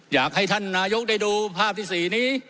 อยากให้ท่านนายกได้ดูภาพที่๔นี้